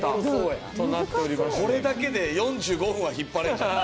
これだけで４５分は引っ張れるんじゃない？